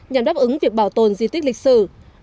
nhằm đáp ứng việc bảo tồn di tích lịch sử